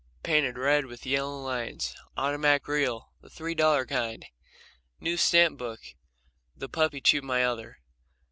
(Painted red, with yellow lines.) Automatic reel. (The 3 dollar kind.) New stamp book. (The puppy chewed my other.)